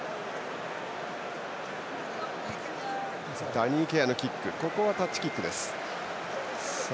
ダニーケアのキックはタッチキック。